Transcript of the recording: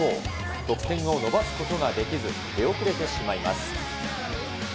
得点を伸ばすことができず、出遅れてしまいます。